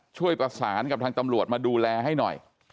ช่วยประสานกับทางตำรวจมาดูแลให้หน่อย